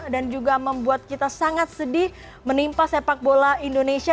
dan juga membuat kita sangat sedih menimpa sepak bola indonesia